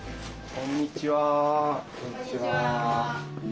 こんにちは。